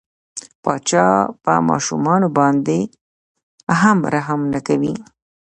پاچا په ماشومان باندې هم رحم نه کوي.